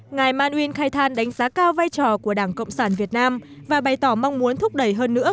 ngài man uyên khai than đánh giá cao vai trò của đảng cộng sản việt nam và bày tỏ mong muốn thúc đẩy hơn nữa